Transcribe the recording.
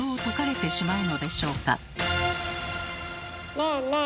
ねえねえ